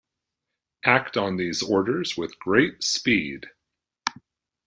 Act on these orders with great speed.